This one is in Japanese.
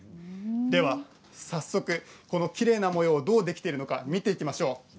では早速、このきれいな模様がどうできているのか見ていきましょう。